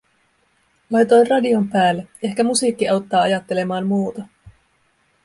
Laitoin radion päälle, ehkä musiikki auttaa ajattelemaan muuta.